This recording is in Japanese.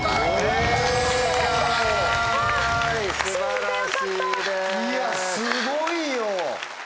いやすごいよ。